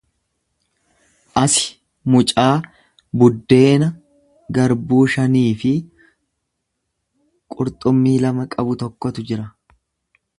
Asi mucaa buddeena garbuu shanii fi qurxummii lama qabu tokkotu jira.